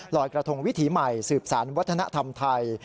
กระทงวิถีใหม่สืบสารวัฒนธรรมไทย